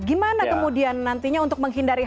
gimana kemudian nantinya untuk menghindari